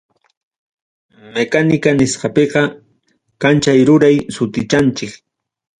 Mecánica nisqapiqa, kanchay ruray sutichanchik.